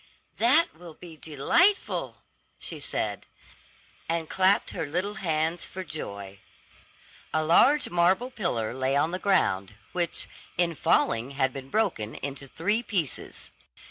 "That will be delightful," she said, and clapped her little hands for joy. A large marble pillar lay on the ground, which, in falling, had been broken into three pieces.